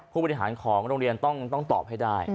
ผู้บริหารของโรงเรียนต้องตอบให้ได้